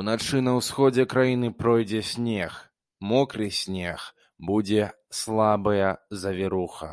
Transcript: Уначы на ўсходзе краіны пройдзе снег, мокры снег, будзе слабая завіруха.